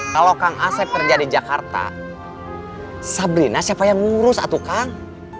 kalau kang asep kerja di jakarta sabrina siapa yang ngurus satu kang